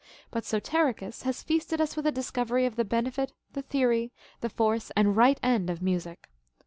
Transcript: But Soterichus has feasted us with a discovery of the benefit, the theory, the force, and right end of music.